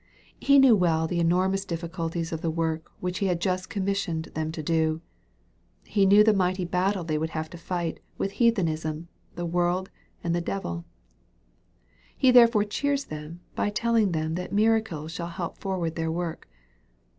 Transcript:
He knew well the enormous difficulties of the work which He had just commissioned them to do. He knew the mighty battle they would have to fight with heathenism, the world, and the devil. He therefore cheers them by telling them that miracles shall help forward their work.